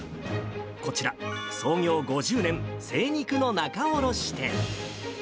こちら、創業５０年、精肉の仲卸店。